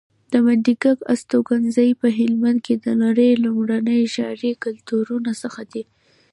د منډیګک استوګنځی په هلمند کې د نړۍ لومړني ښاري کلتورونو څخه دی